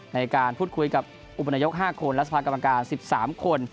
ในการพูดคุยกับอุปนายก๕คนและสภากรรมการ๑๓คน